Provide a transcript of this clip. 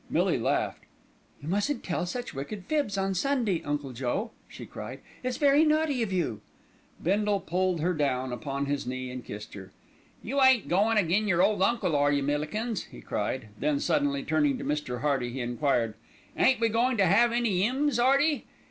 Millie laughed. "You mustn't tell such wicked fibs on Sunday, Uncle Joe," she cried. "It's very naughty of you." Bindle pulled her down upon his knee and kissed her. "You ain't goin' agin your ole uncle, are you, Millikins?" he cried; then suddenly turning to Mr. Hearty he enquired, "Ain't we goin' to 'ave any 'ymns, 'Earty?